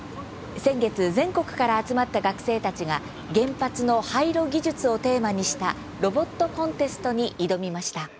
先月、全国から集まった学生たちが原発の廃炉技術をテーマにしたロボットコンテストに挑みました。